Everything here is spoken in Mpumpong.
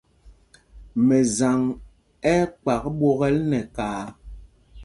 Mɛsaŋ ɛ́ ɛ́ kpak ɓwokɛl nɛ kaā.